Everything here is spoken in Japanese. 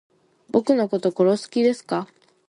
僕のこと殺す気ですか